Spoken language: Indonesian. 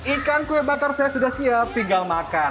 ikan kue bakar saya sudah siap tinggal makan